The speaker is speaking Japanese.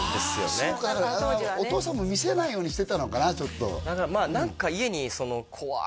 あそうかだからお父さんも見せないようにしてたのかな